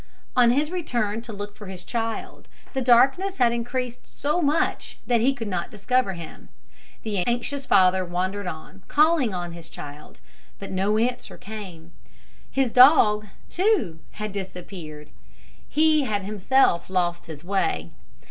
On his return to look for his child, the darkness had increased so much that he could not discover him. The anxious father wandered on, calling on his child but no answer came; his dog, too, had disappeared. He had himself lost his way.